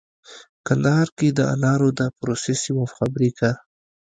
کندهار کې د انارو د پروسس یوه فابریکه